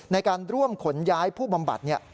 ในการร่วมขนย้ายผู้บำบัด